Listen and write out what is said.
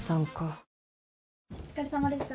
お疲れさまでした